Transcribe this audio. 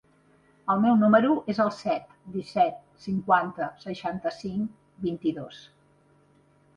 El meu número es el set, disset, cinquanta, seixanta-cinc, vint-i-dos.